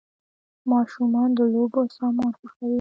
ماشومان د لوبو سامان خوښوي .